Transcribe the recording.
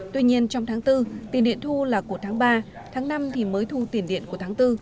tuy nhiên trong tháng bốn tiền điện thu là của tháng ba tháng năm thì mới thu tiền điện của tháng bốn